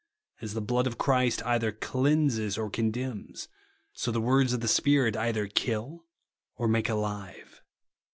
As the blood of Christ either cleanses or condemns, so the words of the Spirit either kill or make alive.